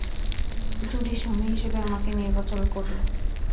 জুডি স্বামী হিসেবে আমাকে নির্বাচন করল।